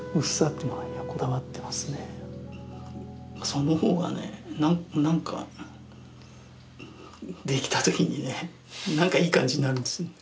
その方がね何かできた時にね何かいい感じになるんですよね。